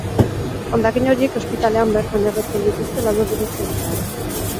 Hondakin horiek ospitalean bertan erretzen dituzte labe berezi batean.